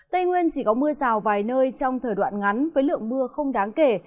tây nguyên chỉ có mưa rào vài nơi trong thời đoạn ngắn với lượng mưa không đáng kể